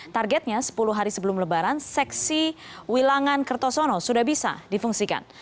targetnya sepuluh hari sebelum lebaran seksi wilangan kertosono sudah bisa difungsikan